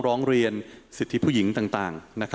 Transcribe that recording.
ร้องเรียนสิทธิผู้หญิงต่าง